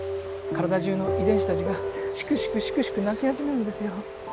体じゅうの遺伝子たちがシクシクシクシク泣き始めるんですよ。